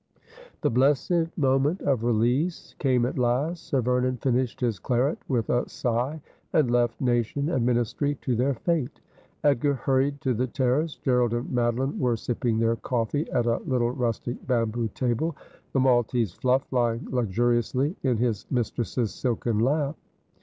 The blessed moment of release came at last. Sir Vernon finished his claret with a sigh, and left nation and ministry to their fate. Edgar hurried to the terrace. Gerald and Madoline were sipping their coffee at a little rustic bamboo table, the Maltese Fluff lying luxuriously in his mistress's silken lap.